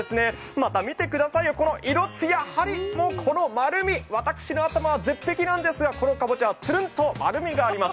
またみてくださいよ、この色、艶、はり、この丸み、私の頭は絶壁なんですがこのかぼちゃはつるんと丸みがあります。